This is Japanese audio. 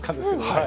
はい。